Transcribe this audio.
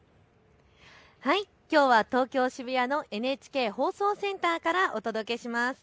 きょうは渋谷のＮＨＫ放送センターからお届けします。